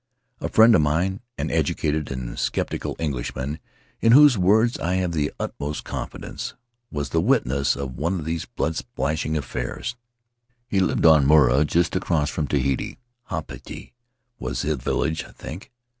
"A friend of mine — an educated and skeptical Englishman, in whose word I have the utmost con fidence — was the witness of one of these blood splashing affairs. He lived on Moorea, just across from Tahiti; Haapiti was the village, I think.